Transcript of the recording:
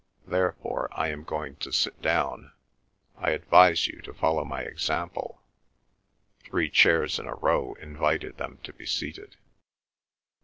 Therefore I am going to sit down. I advise you to follow my example." Three chairs in a row invited them to be seated.